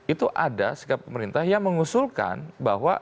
itu ada sikap pemerintah yang mengusulkan bahwa